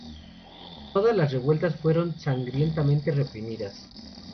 Todas las revueltas fueron sangrientamente reprimidas.